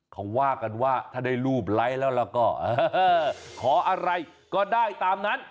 เขาว่ากันว่าถ้าได้รูปไลค์แล้วเราก็ขออะไรก็ได้ตามนั้น